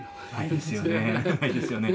ないですよね。